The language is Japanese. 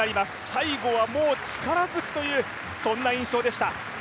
最後はもう力ずくという印象でした。